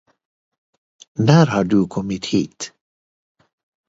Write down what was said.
När har du kommit hit.